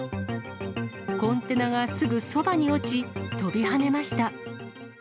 コンテナがすぐそばに落ち、跳びはねました。